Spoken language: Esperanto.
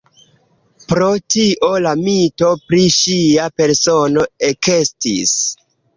Pro tio la mito pri ŝia persono ekestis.